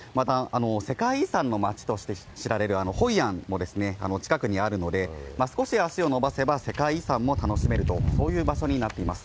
世界遺産の街として知られるホイアンも近くにあるので、少し足を伸ばせば、世界遺産も楽しめると、そういう場所になっています。